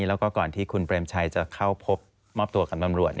แล้วก็ก่อนที่คุณเปรมชัยจะเข้าพบมอบตัวกับตำรวจ